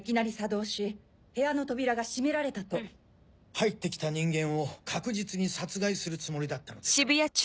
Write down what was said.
入ってきた人間を確実に殺害するつもりだったのでしょう。